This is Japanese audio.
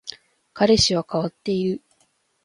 彼氏は変わっている